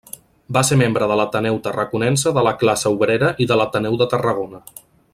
Va ser membre de l'Ateneu Tarraconense de la Classe Obrera i de l'Ateneu de Tarragona.